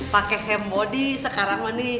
pake hem body sekarang mah nih